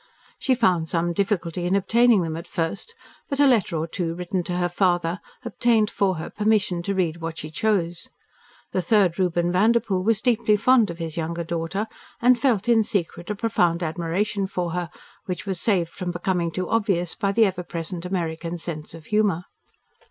She found some difficulty in obtaining them at first, but a letter or two written to her father obtained for her permission to read what she chose. The third Reuben Vanderpoel was deeply fond of his younger daughter, and felt in secret a profound admiration for her, which was saved from becoming too obvious by the ever present American sense of humour.